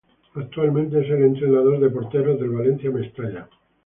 Actualmente es el entrenador de porteros del Valencia Mestalla.